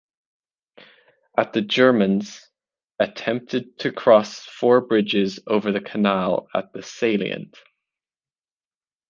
At the Germans attempted to cross four bridges over the canal at the salient.